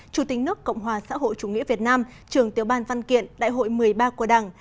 chủ tịch nước cộng hòa xã hội chủ nghĩa việt nam trường tiểu ban văn kiện đại hội một mươi ba của đảng